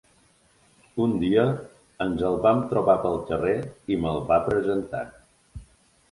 Un dia ens el vam trobar pel carrer i me'l va presentar.